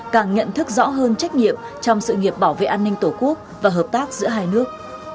càng nhận thức rõ hơn trách nhiệm trong sự nghiệp bảo vệ an ninh tổ quốc và hợp tác giữa hai nước